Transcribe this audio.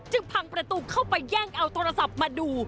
พังประตูเข้าไปแย่งเอาโทรศัพท์มาดู